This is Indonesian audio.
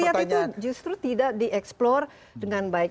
nah itu saya lihat itu justru tidak dieksplor dengan baik